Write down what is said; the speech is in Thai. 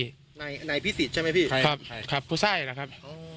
ไหนพี่สิทธิ์ใช่ไหมพี่ครับครับครับครับครับ